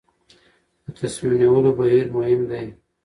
د تصمیم نیولو بهیر مهم دی